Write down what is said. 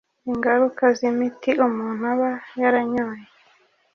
ingaruka z’imiti umuntu aba yaranyoye